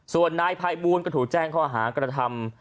ส่วนนายพายบูรณ์ก็ถูกแจ้งข้ออาหารกระทำ